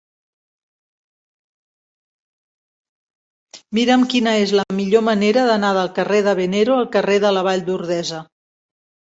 Mira'm quina és la millor manera d'anar del carrer de Venero al carrer de la Vall d'Ordesa.